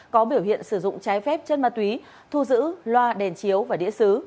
có biểu hiện sử dụng trái phép trân ma túy thu giữ loa đèn chiếu và đĩa sứ